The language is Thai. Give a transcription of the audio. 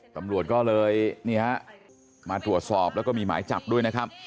ตำรวจก็เลยนี่ฮะมาตรวจสอบแล้วก็มีหมายจับด้วยนะครับ